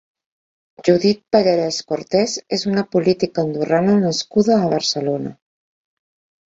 Judith Pallarés Cortés és una política andorrana nascuda a Barcelona.